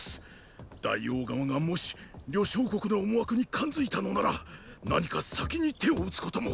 大王側がもし呂相国の思惑に感づいたのなら何か先に手を打つことも。